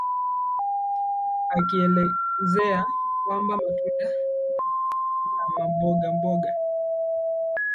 akielezea kwamba matunda na mbogamboga